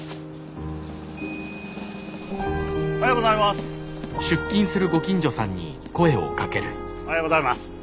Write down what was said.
おはようございます。